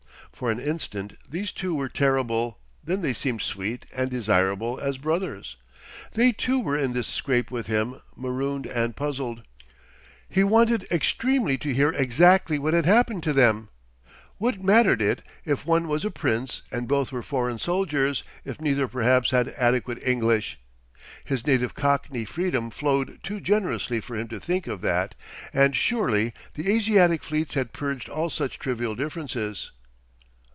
For an instant these two were terrible, then they seemed sweet and desirable as brothers. They too were in this scrape with him, marooned and puzzled. He wanted extremely to hear exactly what had happened to them. What mattered it if one was a Prince and both were foreign soldiers, if neither perhaps had adequate English? His native Cockney freedom flowed too generously for him to think of that, and surely the Asiatic fleets had purged all such trivial differences.